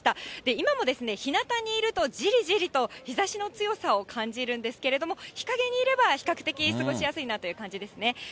今もひなたにいるとじりじりと、日ざしの強さを感じるんですけれども、日陰にいれば比較的過ごしやすいなという感じですね。